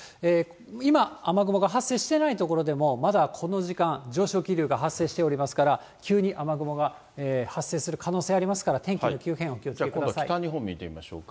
今、雨雲が発生してない所でも、まだこの時間、上昇気流が発生しておりますから、急に雨雲が発生する可能性ありますから、天気の北日本見てみましょうか。